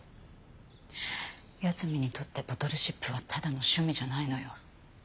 八海にとってボトルシップはただの趣味じゃないのよ。